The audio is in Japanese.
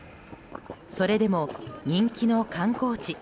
それでも人気の観光地